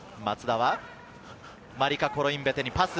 マリカ・コロインベテにパス。